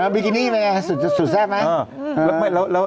บิกินี่มั้ยสุดแซ่บไหม